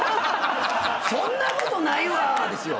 「そんなことないわ！」ですよ。